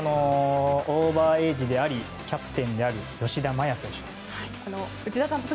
オーバーエージでありキャプテンである吉田麻也選手です。